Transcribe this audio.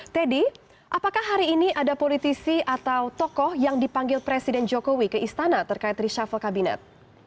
teddy apakah hari ini ada politisi atau tokoh yang dipanggil presiden jokowi ke istana terkait reshuffle kabinet